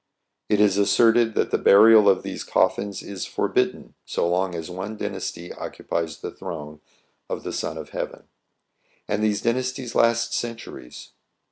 It is asserted that the burial of these coffins is forbidden so long as one dynasty occupies the throne of the Son of Heaven ; and these dynasties last centuries.